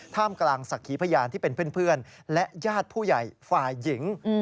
ท่ามกลางศักดิ์ขีพยานที่เป็นเพื่อนและญาติผู้ใหญ่ฝ่ายหญิง